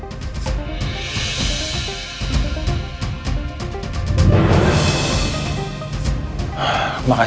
pada bilik siapkanlah